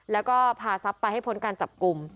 แล้วก็พาทรัพย์ไปให้พ้นการจับกลุ่ม